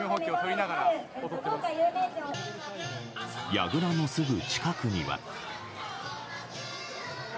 やぐらのすぐ近くには。